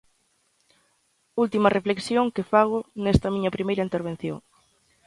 Última reflexión que fago nesta miña primeira intervención.